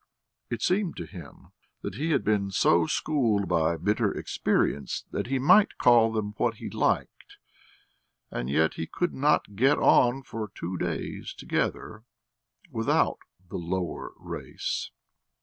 It seemed to him that he had been so schooled by bitter experience that he might call them what he liked, and yet he could not get on for two days together without "the lower race."